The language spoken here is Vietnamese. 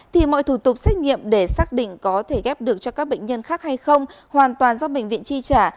thì mọi thủ tục xét nghiệm để xác định có thể ghép được cho các bệnh nhân khác hay không hoàn toàn do bệnh viện chi trả